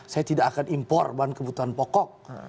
saya tidak akan impor bahan kebutuhan pokok